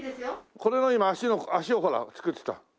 これの今足をほら作ってた。